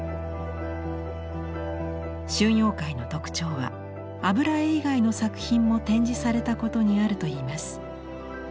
春陽会の特徴は油絵以外の作品も展示されたことにあるといいます。